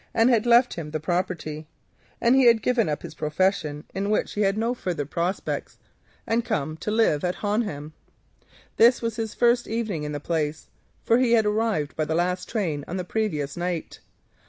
She had left him the property, and with some reluctance, he had given up his profession, in which he saw no further prospects, and come to live upon it. This was his first evening in the place, for he had arrived by the last train on the previous night.